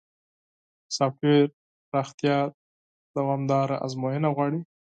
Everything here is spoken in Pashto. سافټویر پراختیا دوامداره ازموینه غواړي.